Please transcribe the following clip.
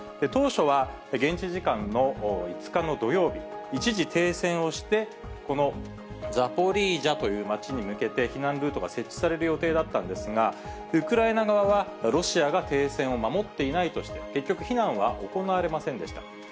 当初は、現地時間の５日の土曜日、一時停戦をして、このザポリージャという町に向けて、避難ルートが設置される予定だったんですが、ウクライナ側はロシアが停戦を守っていないとして、結局、避難は行われませんでした。